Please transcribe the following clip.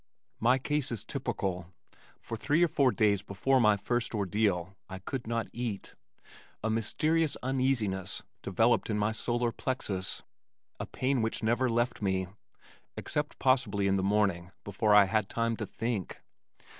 My case is typical. For three or four days before my first ordeal, I could not eat. A mysterious uneasiness developed in my solar plexus, a pain which never left me except possibly in the morning before I had time to think.